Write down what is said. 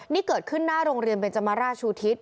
นี่เกิดขึ้นหน้าโรงเรียนเบนจมราชูทิศ